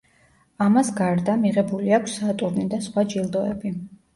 ამას გარდა, მიღებული აქვს სატურნი და სხვა ჯილდოები.